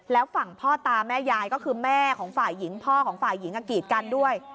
แล้วฝั่งพ่อตาแม่ยายก็คือแม่ของฝ่ายหญิงพ่อของฝ่ายหญิงกีดกันด้วย